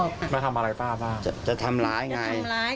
ผมมีคุณมาห้ามแต่ว่ามีคนห้าม